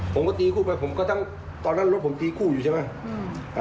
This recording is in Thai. ผมก็ตีคู่ไปผมก็ทั้งตอนนั้นรถผมตีคู่อยู่ใช่ไหม